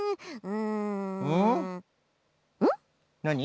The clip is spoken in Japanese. なに？